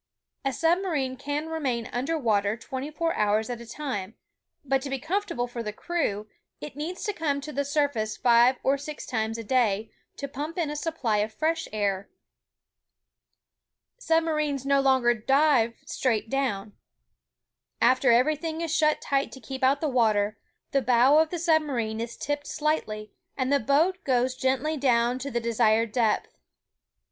A submarine can remain under water twenty four hours at a time, but to be comfortable for the crew, it needs to come to the sur face five or six times a day, to pmnp in a supply of fresh air. Submarines no longer dive straight down. After every thing is shut tight to keep out the water, the bow of the submarine is tipped slightly, and the boat gUdes gently down to the desired depth.